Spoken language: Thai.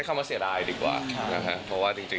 คำแรกว่า